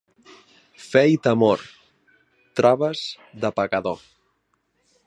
Fe i temor, traves de pecador.